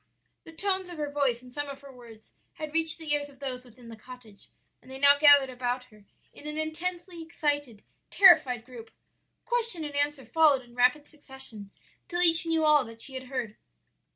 "The tones of her voice and some of her words had reached the ears of those within the cottage, and they now gathered about her in an intensely excited, terrified group. Question and answer followed in rapid succession till each knew all that she had heard.